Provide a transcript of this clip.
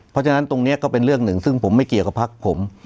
เพราะฉะนั้นตรงนี้ก็เป็นเรื่องหนึ่งซึ่งผมไม่เกี่ยวกับพักผม